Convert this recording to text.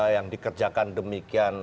yang dikerjakan demikian